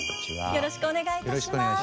よろしくお願いします。